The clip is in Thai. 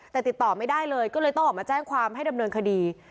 แต่ติดต่อไม่ได้เลยก็เลยต้องออกมาแจ้งความให้ดำเนินคดี